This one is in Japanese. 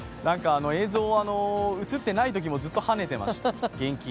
映像、映っていないときもずっとはねてました、元気。